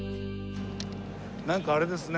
なんかあれですね。